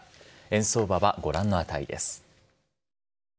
円相場はご覧の値です。